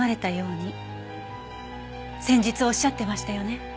先日おっしゃってましたよね？